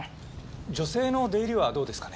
女性の出入りはどうですかね？